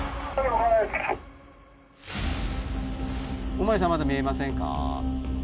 おまわりさんまだ見えませんか？